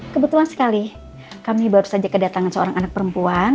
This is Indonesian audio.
kebetulan sekali kami baru saja kedatangan seorang anak perempuan